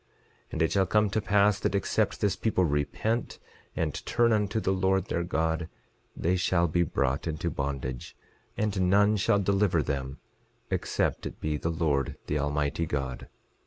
11:23 And it shall come to pass that except this people repent and turn unto the Lord their God, they shall be brought into bondage; and none shall deliver them, except it be the Lord the Almighty God.